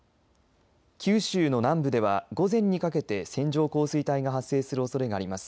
九州の南部では午前にかけて線状降水帯が発生するおそれがあります。